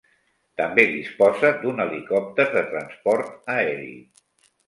També disposa d'un helicòpter de transport aeri.